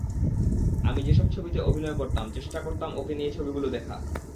আমি যেসব ছবিতে অভিনয় করতাম, চেষ্টা করতাম ওকে নিয়ে ছবিগুলো দেখার।